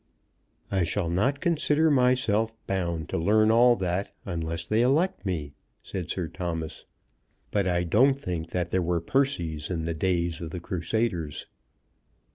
"I shall not consider myself bound to learn all that unless they elect me," said Sir Thomas; "but I don't think there were Percys in the days of the Crusaders."